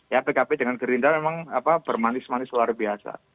ya pkb dengan gerindra memang bermanis manis luar biasa